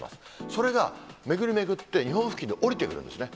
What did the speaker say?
それが巡り巡って日本付近に降りてくるんですね。